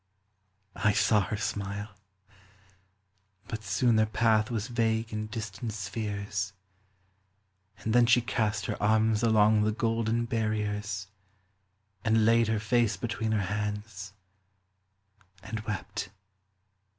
(I saw her smile.) But soon their path Was vague in distant spheres : And then she east her arms along The golden barriers, And laid her face between her hands, And wept.